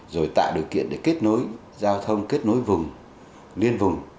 rồi tạo điều kiện để kết nối giao thông kết nối vùng liên vùng